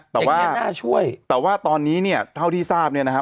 แต่ว่าไม่น่าช่วยแต่ว่าตอนนี้เนี่ยเท่าที่ทราบเนี่ยนะครับ